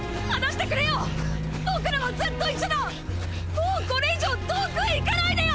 もうこれ以上遠くへ行かないでよ！！